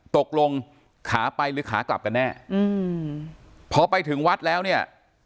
ตกลงขาไปหรือขากลับกันแน่อืมพอไปถึงวัดแล้วเนี่ย